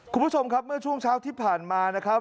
คุณผู้ชมครับเมื่อช่วงเช้าที่ผ่านมานะครับ